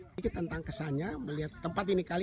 sedikit tentang kesannya melihat tempat ini kali